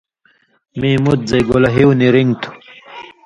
میں مُت زائ گولہ ہیُو نی رِن٘گیۡ تُھو